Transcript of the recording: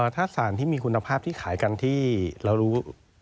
ถ้าสารที่มีคุณภาพที่ขายกันที่เรารู้